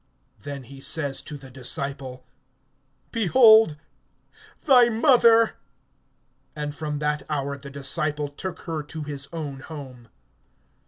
(27)Then he says to the disciple: Behold thy mother! And from that hour the disciple took her to his own home.